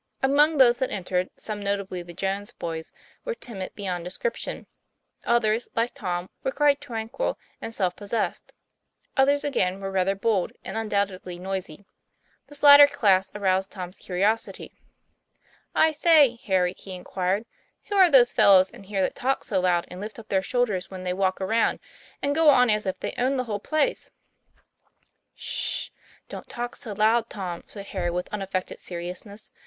Among those that entered, some, notably the Jones boys, were timid beyond descrip tion; others, like Tom, were quite tranquil and self possessed; others again were rather bold and un doubtedly noisy. This latter class aroused Tom's curiosity. ' I say, Harry, " he inquired, " who are those fellows in here that talk so loud, and lift up their shoulders when they walk around, and go on as if they owned the whole place?" 'Sh! don't talk so loud, Tom," said Harry, with unaffected seriousness.